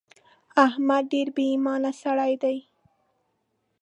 احمد ډېر بې ايمانه سړی دی.